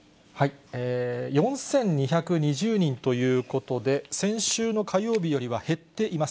４２２０人ということで、先週の火曜日よりは減っています。